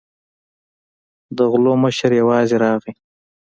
د غلو مشر یوازې راغی.